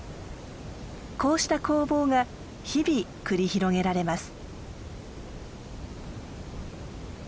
こうした攻防が日々繰り広げられます。